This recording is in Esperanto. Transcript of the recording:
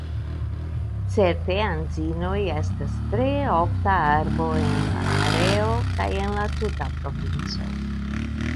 Certe anzinoj estas tre ofta arbo en la areo kaj en la tuta provinco.